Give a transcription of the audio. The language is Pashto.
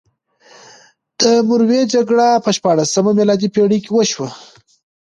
د مروې جګړه په شپاړلسمه میلادي پېړۍ کې وشوه.